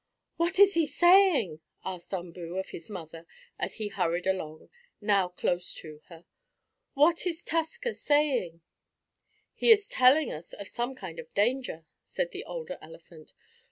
"What is he saying?" asked Umboo of his mother, as he hurried along, now close to her. "What is Tusker saying?" "He is telling of some kind of danger," said the older elephant.